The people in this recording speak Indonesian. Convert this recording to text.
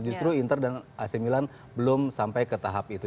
justru inter dan ac milan belum sampai ke tahap itu